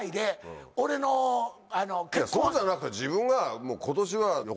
そうじゃなくて自分が。